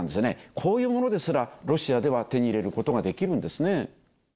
こういうものですら、ロシアでは手に入れることができるんですね。